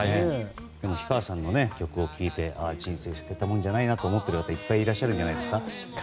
でも、氷川さんの曲を聴いてああ、人生捨てたものじゃないなと思ってらっしゃる方いっぱいいらっしゃるんじゃないですか。